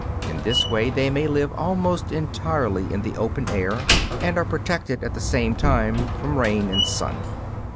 In this way they may live almost entirely in the open air, and are protected at the same time from rain and sun.